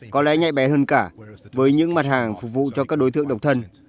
có lẽ nhạy bé hơn cả với những mặt hàng phục vụ cho các đối tượng độc thân